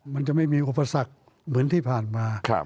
มันจะไม่มีอุปสรรคเหมือนที่ผ่านมา